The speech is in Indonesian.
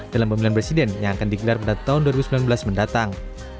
dalam pemilihan presiden yang akan digelar pada tahun dua ribu sembilan belas mendatang